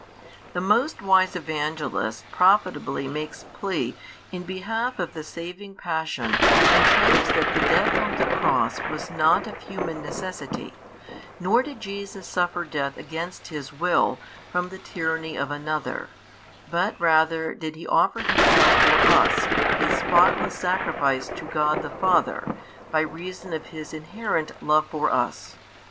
The most wise Evangelist profitably makes plea in behalf of the saving Passion and shews that the Death on the Cross was not of human necessity, nor did Jesus suffer death against His will from the tyranny of another, but rather did offer Himself for us a spotless Sacrifice to God the Father by reason of His inherent love for us.